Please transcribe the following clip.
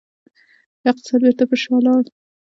اقتصاد بیرته پر شا لاړ.